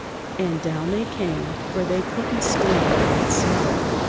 And down they came, for they couldn't stand that smell.